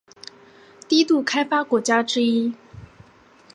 低度开发国家之一。